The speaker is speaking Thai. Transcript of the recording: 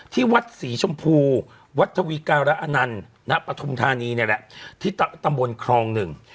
ที่วัดศรีชมพูวัดทวีการะอนันต์ณปฐุมธานีนี่แหละที่ตำบลครองหนึ่ง